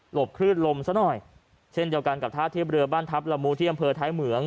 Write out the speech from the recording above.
บคลื่นลมซะหน่อยเช่นเดียวกันกับท่าเทียบเรือบ้านทัพละมูที่อำเภอท้ายเหมือง